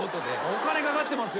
お金かかってますよね。